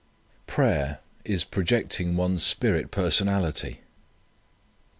Prayer is Projecting One's Spirit Personality.